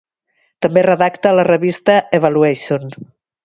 També redacta la revista "Evaluation".